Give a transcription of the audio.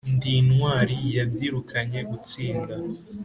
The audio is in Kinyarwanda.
ndi intwari yabyirukanye gutsinda